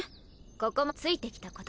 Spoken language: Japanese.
ここまでついてきたこと。